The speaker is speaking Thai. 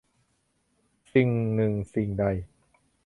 สิ่งหนึ่งสิ่งใด